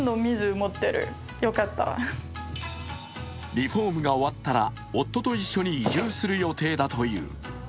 リフォームが終わったら夫と一緒に移住する予定だという。